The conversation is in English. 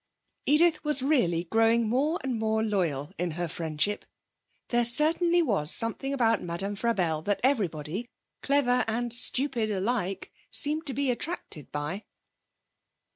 Edith was really growing more and more loyal in her friendship. There certainly was something about Madame Frabelle that everybody, clever and stupid alike, seemed to be attracted by.